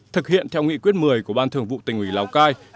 thực hiện theo nghị quyết một mươi của ban thường vụ tình hủy lào cai